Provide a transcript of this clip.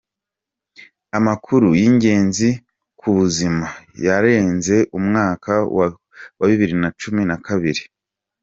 Amakuru y’ingenzi ku buzima yaranze umwaka wa bibiri nacumi nakabiri